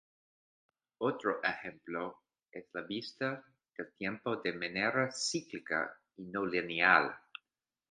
Otro ejemplo es la vista del tiempo de manera cíclica y no lineal.